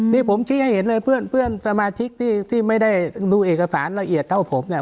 นี่ผมชี้ให้เห็นเลยเพื่อนสมาชิกที่ไม่ได้ดูเอกสารละเอียดเท่าผมเนี่ย